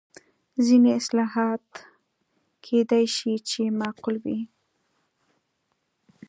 ځینې اصلاحات کېدای شي چې معقول وي.